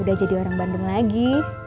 udah jadi orang bandung lagi